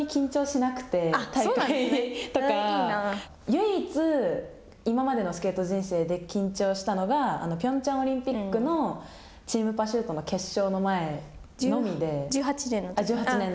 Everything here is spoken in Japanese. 唯一、今までのスケート人生で緊張したのがピョンチャンオリンピックのチームパシュートの決勝の前のみで。